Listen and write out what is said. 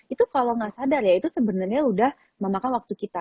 itu kalau nggak sadar ya itu sebenarnya udah memakan waktu kita